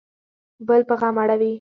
بل په غم اړوي